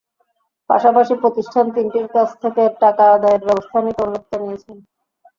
পাশাপাশি প্রতিষ্ঠান তিনটির কাছ থেকে টাকা আদায়ের ব্যবস্থা নিতে অনুরোধ জানিয়েছে।